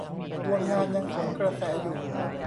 ดวงงานยังสวนกระแสอยู่